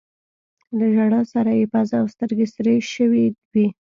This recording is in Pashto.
له ژړا سره يې پزه او سترګې سرې شوي وې.